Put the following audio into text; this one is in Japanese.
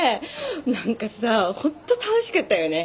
何かさホント楽しかったよね。